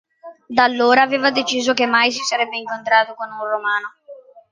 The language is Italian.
Da allora, aveva deciso che mai si sarebbe incontrato con un romano.